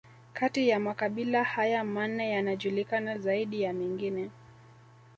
Kati ya makabila haya manne yanajulikana zaidi ya mengine